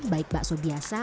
baik bakso biasa